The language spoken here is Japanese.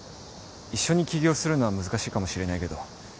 一緒に起業するのは難しいかもしれないけど